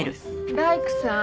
大工さん？